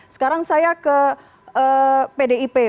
sekarang saya ke pdip